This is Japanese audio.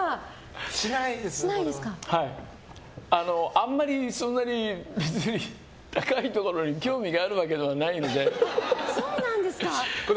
あんまりそんなに高いところに興味があるわけではないので。